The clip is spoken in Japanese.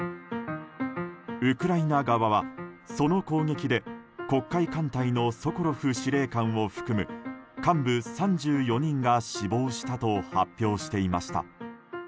ウクライナ側は、その攻撃で黒海艦隊のソコロフ司令官を含む幹部３４人が死亡したと発表していました。